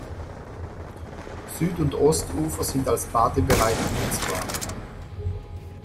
Süd- und Ostufer sind als Badebereich nutzbar.